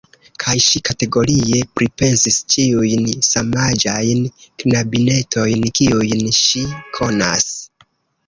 Kaj ŝi kategorie pripensis ĉiujn samaĝajn knabinetojn kiujn ŝi konas.